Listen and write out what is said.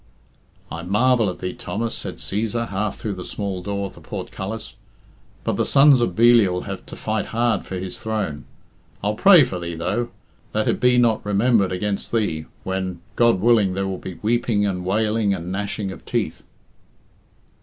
"I marvel at thee, Thomas," said Cæsar, half through the small door of the portcullis, "but the sons of Belial have to fight hard for his throne. I'll pray for thee, though, that it be not remembered against thee when(D.V.) there will be weeping and wailing and gnashing of teeth."